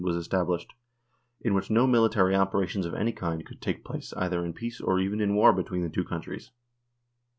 was established, in which no military opera tions of any kind could take place either in peace or even in war between the two countries.